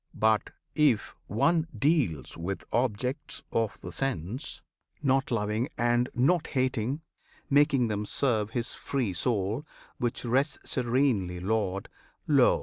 But, if one deals with objects of the sense Not loving and not hating, making them Serve his free soul, which rests serenely lord, Lo!